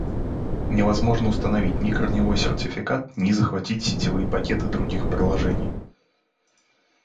Невозможно установить ни корневой сертификат, ни захватить сетевые пакеты других приложений